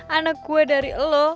anak gue dari lo